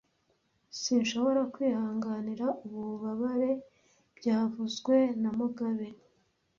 Sinshobora kwihanganira ubu bubabare byavuzwe na mugabe